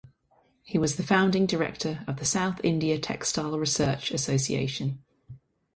He was the founding director of The South India Textile Research Association.